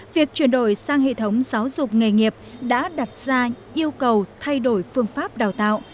việc chuyển đổi sang hệ thống giáo dục nghề nghiệp đã đặt ra yêu cầu thay đổi phương pháp đào tạo